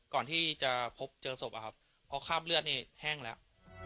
ก่อนที่จะพบเจอศพอะครับเพราะคราบเลือดนี่แห้งแล้ว